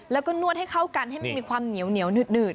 แล้วก็นวดให้เข้ากันให้มันมีความเหนียวหนืด